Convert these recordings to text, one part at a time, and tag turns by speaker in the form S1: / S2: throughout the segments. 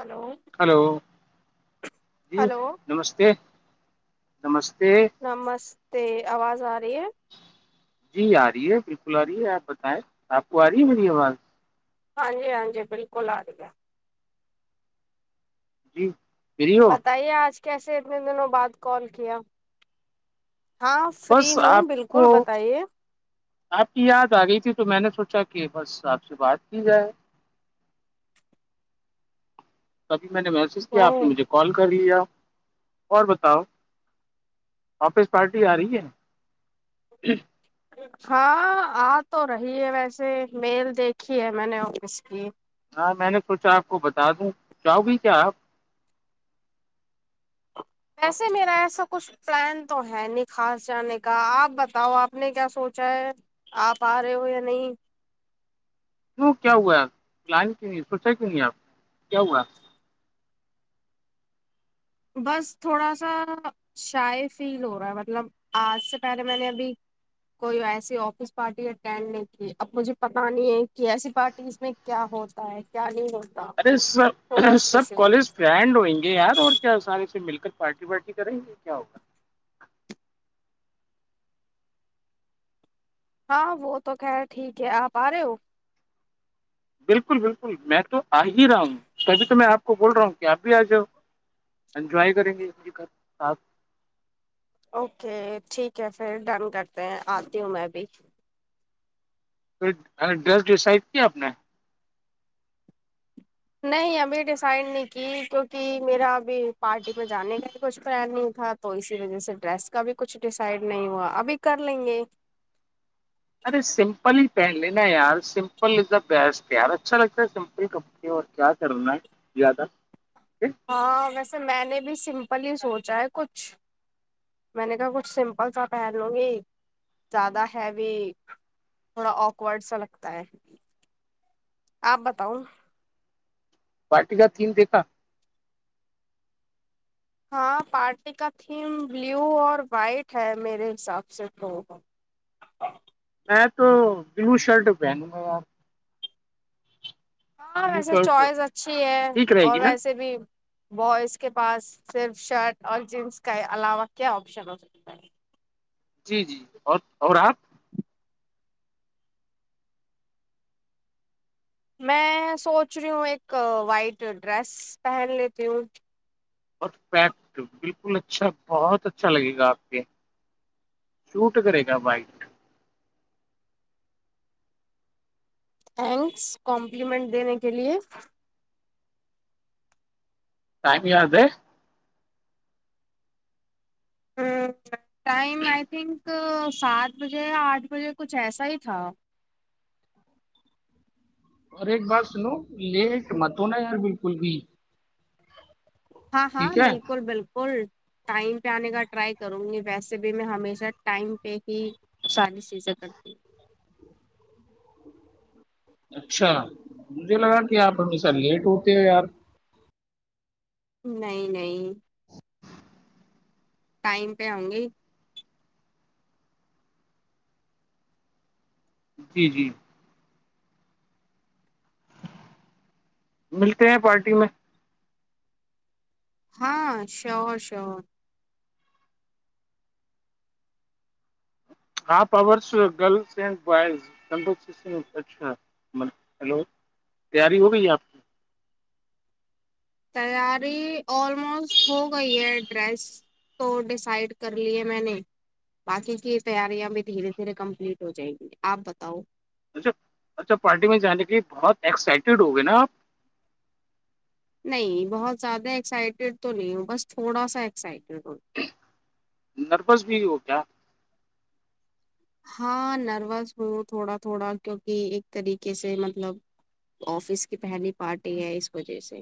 S1: hello
S2: hello جی
S1: hello
S2: نمستے نمستے
S1: نمستے آواز آ رہی ہے
S2: جی آ رہی ہے بالکل آ رہی ہے آپ بتائیں آپ کو آ رہی ہے میری آواز
S1: ہاں جی ہاں جی بالکل آ گ گیا
S2: جی فری ہو
S1: بتائیے آج کیسے اتنے دنوں بعد کال کیا ہاں فری
S2: بس آپ
S1: ہوں
S2: کو
S1: بالکل بتائیے
S2: آپ کی یاد آ گئی تھی تو میں نے سوچا کہ بس آپ سے بات کی جائے کبھی میں نے میسج
S1: او
S2: کیا آپ نے مجھے کال کر لیا اور بتاؤ آفس پارٹی آ رہی ہے
S1: ہاں آ تو رہی ہے ویسے میل دیکھی ہے میں نے آفس کی
S2: ہاں میں نے سوچا آپ کو بتا دوں چاہو گی کیا آپ
S1: ایسے میرا ایسا کچھ پلان تو ہے ن خاس جانے کا آپ بتاؤ آپ نے کیا سوچا ہے آپ آ رہے ہو یا نہیں
S2: وں کیا ہواپ پلان کیوں نہیں سوچا کیوں نہیں آپ کیا ہوا
S1: بس تھوڑا سا شع فیل ہو رہا ہے مطلب آج سے پہلے میں نے ابھی کوئی ایسی آفس پارٹی اٹینڈ نہیں کی اب مجھے پتا نہیں ہے کہ ایسی پارٹی اس میں کیا ہوتا ہے کیا یہ ہوتا
S2: ارے سب
S1: تو بس
S2: سب
S1: اسی لیے
S2: کالج فریینڈ ہویں گے یہ یار اور کیا سارے سے مل کر پارٹی وارٹی کریں گیے کیا ہوگا
S1: ہاں وہ تو خیر ٹھیک ہے آپ آ رہے ہو
S2: بالکل بالکل میں تو آ ہی رہا ہوں کبھی تو میں آپ کو بول رہا ہوں کہ آپ بھی آ جاؤ انجوائے کریں گے م گھرھ
S1: اوکے ٹھیک ہے پھر ڈن کرتے ہیں آتی ہوں میں بھی
S2: ڈس ڈیسائڈ کی اپپ نے
S1: نہیں ابھی ڈیسائڈ نہیں کی کیونکہ میرا ابھی پارٹی میں جانے کا بھی کچھ پلان نہیں تھا تو اسی وجہ سے ڈریس کا بھی کچھ ڈیسائڈ نہیں ہوا ابھی کر لیں گے
S2: ارے سمپل ہی پہن لینا یار سمپل از دا بیسٹ یار اچھا لگتا ہے سمپل کڑ اور کیا کرنا ہے زیادہ پھر
S1: ہاں ویسے میں نے بھی سمپل ہی سوچا ہے کچھ میں نے کہا کچھ سمپل سا پہن لوں گی زیادہ ہیوی تھوڑا آکورڈ سا لگتا ہے آپ بتاؤں
S2: پارٹی کا تھیم دیکھا
S1: ہاں پارٹی کا تھیم بلیو اور وائٹ ہے میرے حساب سے تو
S2: میں تو بلو شرٹ پہنوں گا آپ
S1: ہاں
S2: بلو
S1: ویسے
S2: شرٹ
S1: چوائس اچھی ہے
S2: ٹھیک رہے
S1: اور
S2: گی نا
S1: ویسے بھی بوائز کے پاس صرف شرٹ اور جینس کے علاوہ کیا آپشن ہو سکتا ہے
S2: جی جی اور اور آپ
S1: میں سوچ رہی ہوں ایک وائٹ ڈریس پہن لیتی ہوں
S2: پریکٹ بالکل اچھا بہت اچھا لگے گا آپ کے شوٹ کرے گا بائک
S1: تھینکس کمپلیمنٹ دینے کے لیے
S2: [unintelligible]
S1: ٹائم آئی تھنک سات بجے یا آٹھ بجے کچھ ایسا ہی تھا
S2: اور ایک بات سنو لیٹ مت ن یار بالکل بھی
S1: ہاں ہاں
S2: ٹھیک ہے
S1: بالکل بالکل ٹائم پہ آنے کا ٹرائی کروں گی ویسے بھی میں ہمیشہ ٹائم پہ ہی شانی سیزیں کرتی
S2: اچھا مجھے لگا کہ آپ ہمیشہ لیٹ ہوتے ہو یار
S1: نہیں نہیں ٹائم پہ ہؤں گی
S2: جی جی ملتے ہیں پارٹی میں
S1: ہاں شور شور
S2: ہ گرل اڈ بوز اچھا ہیلو تیاری ہو گئی آپ کی
S1: تیاری آلموسٹ ہو گئی ہے ڈریس تو ڈیسائڈ کر لیے میں نے باقی کی تیاریاں بھی دھیرے دھیرے کمپلیٹ ہو جائیںی آپ بتاؤ
S2: اچھا اچھا پارٹی میں جانے کے لیے بہت ایکسائٹیڈ ہو گئے نا آپ
S1: نہیں بہت زیادہ ایکسائٹیڈ تو نہیں ہوں بس تھوڑا سا ایکسائٹیڈ ہووں
S2: نروس بھی ہو کیا
S1: ہاں نروس ہوں تھوڑا تھوڑا کیوںکہ ایک طریقے سے مطلب آفس کی پہلی پارٹی ہے اس وجہ سے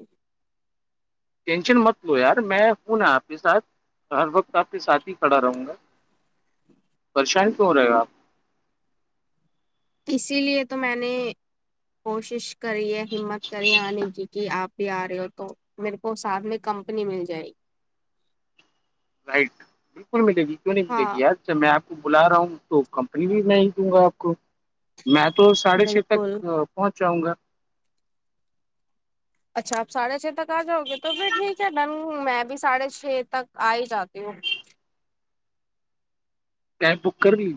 S2: ٹینشن مت لو یار میں فون ہے آپ کے ساتھ ہر وقت آپ کے ساتھ ہی کھڑا رہوں گا پریشانی کیوں رہے گا آپ
S1: اسی لیے تو میں نے کوشش کریے ہممت کریے آنے کیی کی آپ بھی آ رہے ہو تو میرے کو ساتھ میں کمپنی مل جائے گی
S2: رائٹ بالکل ملے گی کیوں نہیں ملے گی
S1: ہاں
S2: ج اچھا میں آپ کو بلا رہا ہوں تو کمپنی بھی میں ہی دوں گا آپ کو میں تو ساڑھے چھ تک
S1: بالکل
S2: پہنچ جاؤں گا
S1: اچھا آپ ساڑھے چھ تک آ جاؤ گے تو پھر ٹھیک ہے ڈن میں بھی ساڑھے چھ تک آ ہی جاتی ہوں
S2: کیب بک کر دی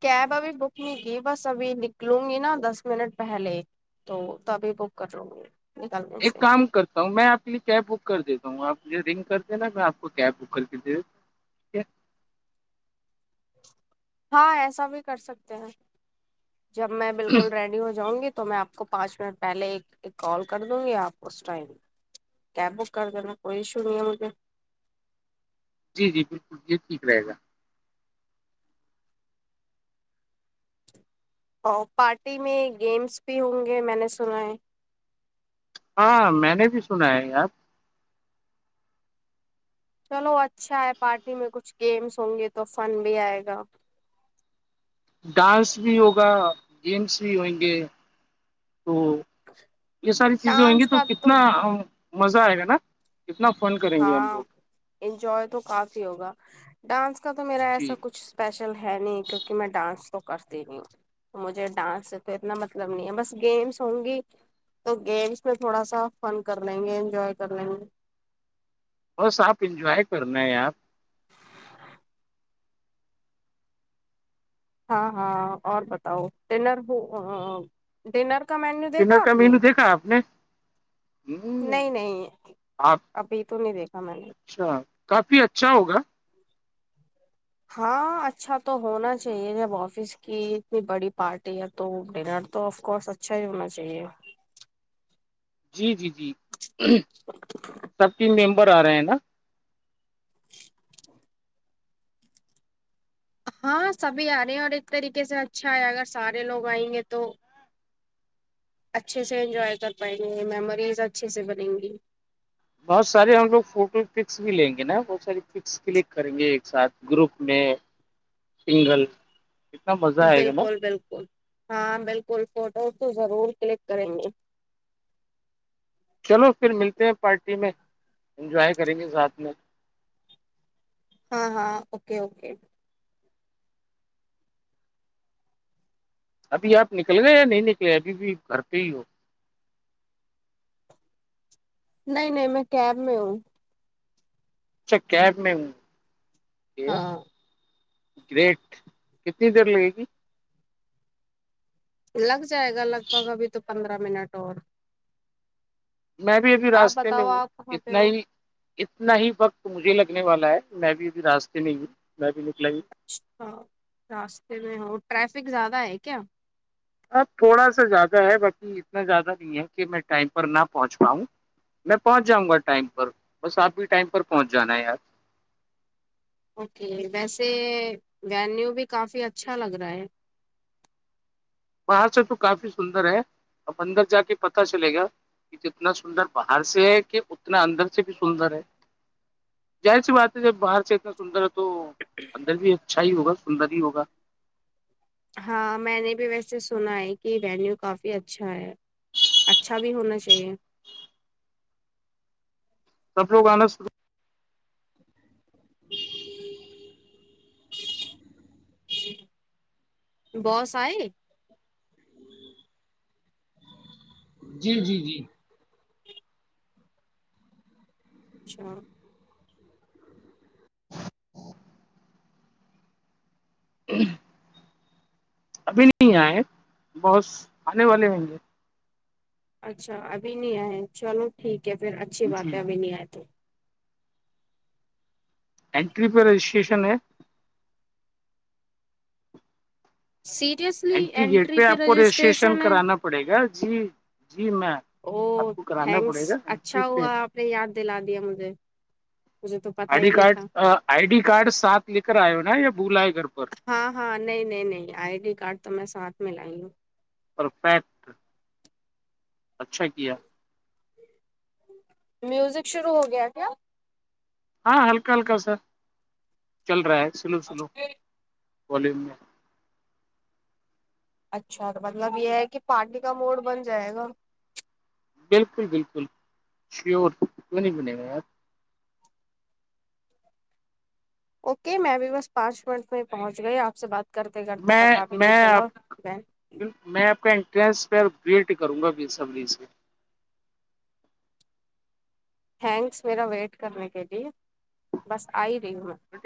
S1: کیب ابھی بک نہیں کی بس ابھی نکلوں گی نا دس منٹ پہلے تو تبھی بک کر لوں گی نکلنے
S2: ایک
S1: سے
S2: کام کرتا ہوں میں آپ کے لیے کیب بک کر دیتا ہوں آپ مھے رنگ کر دینا میں آپ کو کیب بک کر کےے
S1: ہاں ایسا بھی کر سکتے ہیں جب میں بالکل ریڈی ہو جاؤں گی تو تو میں آپ کو پانچ منٹ پہلے ایک کال کر دوں گی آپ اس ٹائم کیب بک کر دینا کوئی ایشو نہیں ہے مجھے
S2: جی جی بالکل یہ ٹھیک رہے گا
S1: او پارٹی میں گیمس بھی ہوں گے میں نے سنا ہے
S2: ہاں میں نے بھی سنا ہے یپ
S1: چلو اچھا ہے پارٹی میں کچھ گیمس ہوں گے تو فن بھی آئے گا
S2: ڈانس بھی ہوگا گیمس بھی ہوئیں گے تو یہ ساری چیزیں ہئ گی
S1: ڈانس
S2: تو
S1: کا
S2: کتنا مزہ آئے گا نا کتنا فن کریں گے ہم
S1: ہاں
S2: لوگ
S1: انجوائے تو کافی ہوگا ڈانس کا تو میرا
S2: جی
S1: ایسا کچھ اسپیشل ہے نہیں کیونکہ میں ڈانس تو کرتی نہیںی ہوں تو مجھے ڈانس سے تو اتنا مطلب نہیں ہے بس گیمس ہوں گی تو گیمس میں تھوڑا سا فن کر لیں گے انجوائے کر لیں گے
S2: بس آپ انجوائے کرنا ہیں یپ
S1: ہاں ہاں اور بتاؤ ٹلر ہو ڈنر کا مینیو دیکھا
S2: ڈنر
S1: آپ
S2: کا
S1: نے
S2: مینو دیکھا آپ نے ہوں
S1: نہیں نہیں
S2: آپ
S1: ابھی تو نہیں دیکھا میں نے
S2: اچھا کافی اچھا ہوگا
S1: ہاں اچھا تو ہونا چاہیے جب آفس کی اتنی بڑی پارٹی ہے تو ڈنر تو آف کورس اچھا ہی ہونا چاہیے
S2: جی جی جی سب کے ممبر آ رہے ہیں نا
S1: [inaudible] ہاں سبھی آ رہے ہیں اور ایک طریقے سے اچھا ہے اگر سارے لوگ آئیں گے تو اچھے سے انجوائے کر پائیں گے میموریز اچھے سے بنیں گی
S2: بہت سارے ہم لوگ فوٹو پکس بھی لیں گے نا بہت ساری پکس کلک کریں گے ایک ساتھ گروپ میں س گ
S1: بالکل بالکل ہاں بالکل فوٹوز تو ضرور کلک کریں گے
S2: چلو پھر ملتے ہیں پارٹی میں انجوائے کریں گے ساتھ میں
S1: ہاں ہاں اوکے اوکے
S2: ابھی آپ نکل گے یا نہیں نکلے ابھی بھی گھر پہ ہی ہو
S1: نہیںائ نہیں میں کب میں ہوں
S2: اچھا کیب میں ہ
S1: ہاں
S2: گریٹ کتنی دیر لگے گی
S1: لگ جائے گا لگ بھگ ابھی تو پندرہ منٹ اور
S2: میں بھی ابھی
S1: آپ
S2: راستے میں
S1: بتاؤ
S2: ہوں
S1: آپ کہاں پہ
S2: اتنا
S1: ہو
S2: ہی اتنا ہی وقت مجھے لگنے والا ہے میں بھی ابھی راستے نہیں ہوں میں بھی نکلا ہوں
S1: اچھا راستے میں ہو ٹریفک زیادہ ہے کیا
S2: اب تھوڑا سا زیادہ ہے باقی اتنا زیادہ نہیں ہے کہ میں ٹائم پر نہ پہنچ پاؤں میں پہنچ جاں گا ٹائم پر بس آپ ہی ٹائم پر پہنچ جانا ہے یار
S1: اوکے ویسے وینیو بھی کافی اچھا لگ رہا ہے
S2: بر سے تو کافی سندر ہے اب اندر جا کے پتا چلے گا کہ جتنا سندر باہر سے ہے کہ اتنا اندر سے بھی سندر ہے ظاہر سی بات ہے جب باہر سے اتنا سندر ہے تو اندر بھی اچھا ہی ہوگا سندر ہی ہوگا
S1: ہاں میں نے بھی ویسے سنا ہے کہ وینیو کافی اچھا ہے اچھا بھی ہونا چاہیے
S2: سب لوگانا
S1: بس آئی
S2: جی جی جی
S1: اچھا
S2: جی ابھی نہیں آئے بہت آنے والے ہیں گے
S1: اچھا ابھی نہیں آئے چلو ٹھیک ہے پھر اچھی بات ہے
S2: جی
S1: ابھی نہیں آئے تو
S2: اینٹری پہ رجسٹریشن ہے
S1: سیریئسلی
S2: گیٹ
S1: اینٹری پہ
S2: آپ کو
S1: رجسٹریشن ہے
S2: کرانا پڑے گا جی جی میں
S1: او
S2: آپ کو کرانا
S1: تھینکس
S2: پڑے گا اینٹری
S1: اچھا
S2: پہ
S1: ہوا آپ نے یاد دلا دیا مجھے مجھے تو پتا
S2: آئی ڈی
S1: ہی نہیں
S2: کارڈ
S1: تھا
S2: آئی ڈی کارڈ ساتھ لے کر آئے ہو نا یا بھولا ہے گھر پر
S1: ہاں ہاں نہیں نہیں نہیں آئی ڈی کارڈ تو میں ساتھ میں لائی ہوں
S2: اور پ اچھا کیا
S1: میوزک شروع ہو گیا کیا
S2: ہاں ہلکا ہلکا سا چل رہا ہے سلو سلو والوم میں
S1: اچھا مطلب یہ ہے کہ پارٹی کا موڈ بن جائے گا
S2: بالکل بالکل شیور نہیں بنے ہوئے یار
S1: اوکے میں ا بھیھی بس پانچ منٹ میں پہنچ گئی آپ سے بات کرتے کرتے
S2: میں
S1: پتا بھی نہیں
S2: میں
S1: چلا
S2: آپ
S1: میں
S2: میں آپ کا انٹرنس پ گریٹ کروں گا ب سب سے
S1: تھینکس میرا ویٹ کرنے کے لیے بس آ ہی رہی ہوں میں
S2: ٹ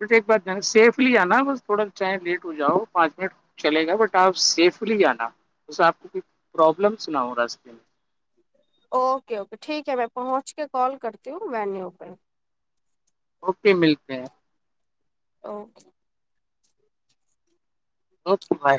S2: بٹ ایک بات سیفلی آنا بس تھوڑا چاہیں لیٹ ہو جاؤ پانچ منٹ چلے گا بٹ آپ سیفلی آنا اسے آپ کو کوھ پرابلمس نہ ہو راستے میں
S1: اوکے اوکے ٹھیک ہے میں پہنچ کے کال کرتی ہوں وینیو پہ
S2: اوکے ملتے ہیں
S1: اوکے
S2: اوک بھائے